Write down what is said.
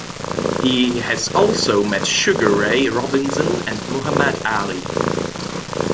He has also met Sugar Ray Robinson and Muhammad Ali.